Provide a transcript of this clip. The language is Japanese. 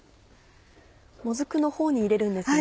もずくのほうに入れるんですね。